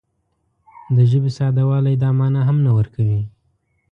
د ژبې ساده والی دا مانا هم نه ورکوي